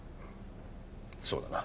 そうだな。